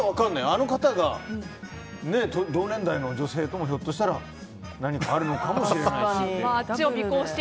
あの方が、同年代の女性ともひょっとしたら何かあるのかもしれないし。